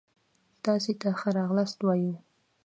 تاسي ته ښه را غلاست وايو